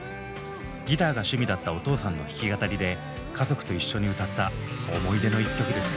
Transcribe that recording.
ギターが趣味だったお父さんの弾き語りで家族と一緒に歌った思い出の一曲です。